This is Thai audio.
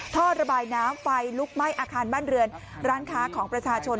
ท่อระบายน้ำไฟลุกไหม้อาคารบ้านเรือนร้านค้าของประชาชน